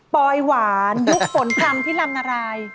โป๊ยหวานลูกฝนพรรมที่ลำนาราย